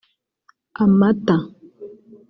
amata